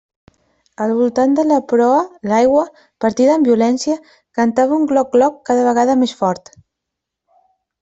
Al voltant de la proa, l'aigua, partida amb violència, cantava un gloc-gloc cada vegada més fort.